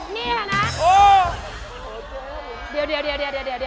เหอเผอเจ๊เหรอ